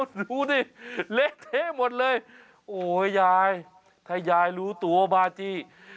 ดูดิเละเทะหมดเลยโอ้ยยายถ้ายายรู้ตัวมาจี้